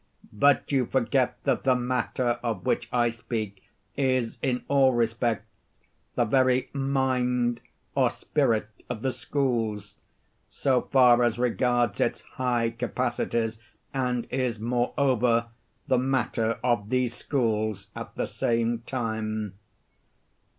But you forget that the matter of which I speak is, in all respects, the very "mind" or "spirit" of the schools, so far as regards its high capacities, and is, moreover, the "matter" of these schools at the same time.